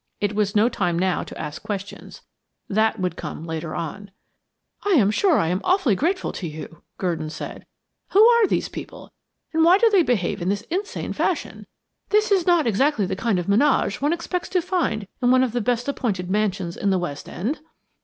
It was no time now to ask questions; that would come later on. "I am sure I am awfully grateful to you," Gurdon said. "Who are these people, and why do they behave in this insane fashion? This is not exactly the kind of menage one expects to find in one of the best appointed mansions in the West End."